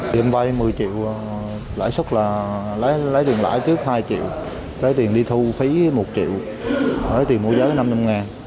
điện vay một mươi triệu lãi suất là lấy tiền lãi trước hai triệu lấy tiền đi thu phí một triệu lấy tiền mua giới năm năm ngàn